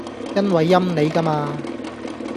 因為陰你㗎嘛